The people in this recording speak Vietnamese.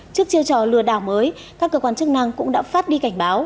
trước chiêu trò lừa đảo mới các cơ quan chức năng cũng đã phát đi cảnh báo